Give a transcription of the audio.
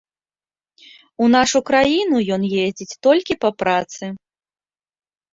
У нашу краіну ён ездзіць толькі па працы.